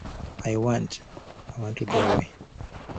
I want... I want to go away.